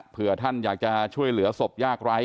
เพื่อท่านอยากจะช่วยเหลือศพยากไร้